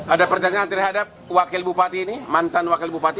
ada pertanyaan terhadap wakil bupati ini mantan wakil bupati